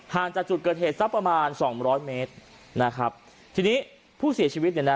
จากจุดเกิดเหตุสักประมาณสองร้อยเมตรนะครับทีนี้ผู้เสียชีวิตเนี่ยนะ